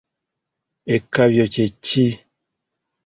Ekkabyo kye ki?